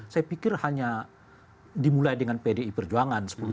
saya pikir hanya dimulai dengan pdi perjuangan sepuluh tahun